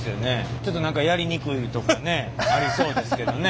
ちょっと何かやりにくいとかねありそうですけどね。